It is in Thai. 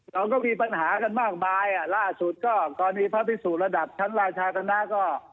เราก็มีปัญหากันมากมายอ่ะล่าสุดก็ตอนนี้พระภิกษุระดับชั้นราชกรรมน่าก็